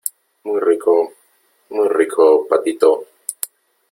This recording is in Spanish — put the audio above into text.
muy rico , muy rico , patito .